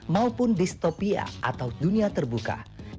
maupun distopia atau dunia terbuka